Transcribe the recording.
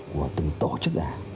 của từng tổ chức đảng